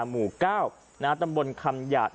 หมู่๙ตำบลคำหยาด